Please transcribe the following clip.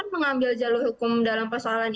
mengambil jalur hukum dalam persoalan